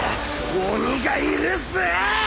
鬼がいるぜー！